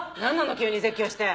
急に絶叫して。